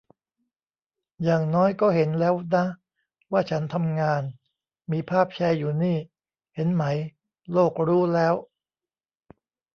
อย่างน้อยก็เห็นแล้วนะ ว่าฉันทำงาน มีภาพแชร์อยู่นี่ เห็นไหม โลกรู้แล้ว